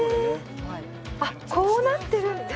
あっ、こうなってるんだ。